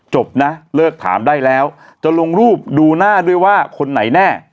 จบนะเลิกถามได้แล้วจะลงรูปดูหน้าด้วยว่าคนไหนแน่